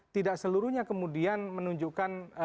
tidak seluruhnya kemudian menunjukkan